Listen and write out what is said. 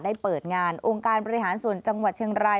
ได้เปิดงานโครงการประหลาดส่วนจังหวัดเชียงราย